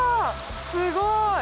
すごい！